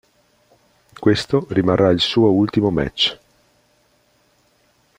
Questo rimarrà il suo ultimo match.